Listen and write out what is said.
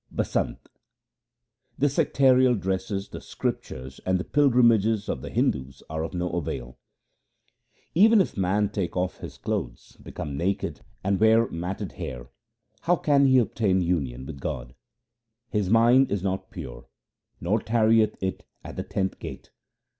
Basant The sectarial dresses, the scriptures, and the pilgrimages of the Hindus are of no avail :— Even if man take off his clothes, become naked And wear matted hair, how can he obtain union with God ? His mind is not pure, nor tarrieth it at the tenth gate.